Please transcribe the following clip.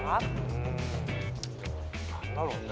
うん何だろうね？